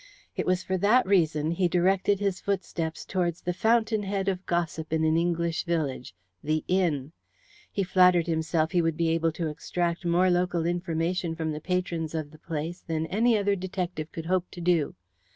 It was for that reason he directed his footsteps towards the fountain head of gossip in an English village the inn. He flattered himself he would be able to extract more local information from the patrons of the place than any other detective could hope to do.